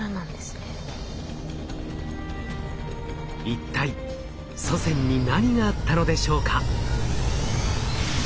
一体祖先に何があったのでしょうか？